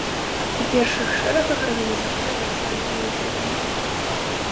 У першых шэрагах арганізатары рассаджваюць журы.